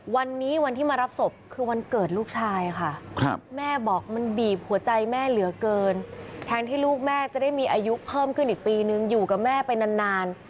วันนี้วันที่มารับศพคือวันเกิดลูกชายค่ะแม่บอกมันบีบหัวใจแม่เหลือเกินแทนที่ลูกแม่จะได้มีอายุเพิ่มขึ้นอีกปีนึงอยู่กับแม่ไปนาน